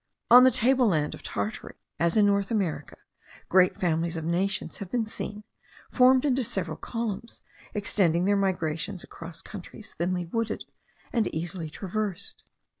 On the table land of Tartary, as in North America, great families of nations have been seen, formed into several columns, extending their migrations across countries thinly wooded, and easily traversed.